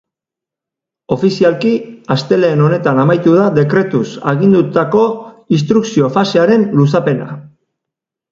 Ofizialki astelehen honetan amaitu da dekretuz agindutako instrukzio fasearen luzapena.